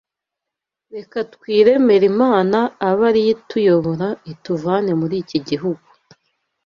Reka twiremere imana abe ari yo ituyobora, ituvane muri iki gihugu.’